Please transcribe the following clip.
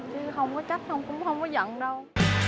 chứ không có trách không cũng không có giận đâu